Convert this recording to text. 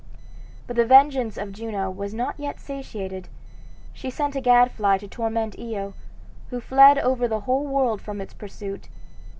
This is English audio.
But the vengeance of Juno was not yet satiated. She sent a gadfly to torment Io, who fled over the whole world from its pursuit.